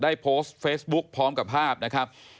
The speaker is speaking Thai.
ได้โพสต์เฟซบุ๊คพร้อมกับภาพนะครับ